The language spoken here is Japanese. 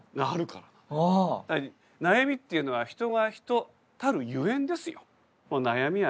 悩みっていうのは人が人たるゆえんですよ。